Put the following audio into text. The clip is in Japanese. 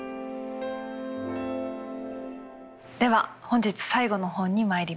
では本日最後の本にまいりましょう。